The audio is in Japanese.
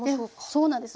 そうなんです。